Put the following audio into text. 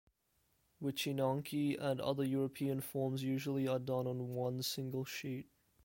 Wycinanki and other European forms usually are done on one single sheet.